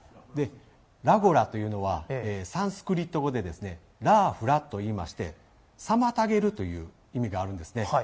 らごらというのはサンスクリット語でラーフラと言いまして妨げるという意味があるんですね。